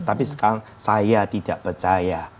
tapi sekarang saya tidak percaya